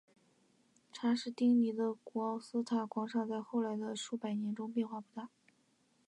查士丁尼的奥古斯塔广场在后来的数百年中变化不大。